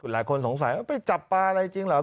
หลายคนสงสัยว่าไปจับปลาอะไรจริงเหรอ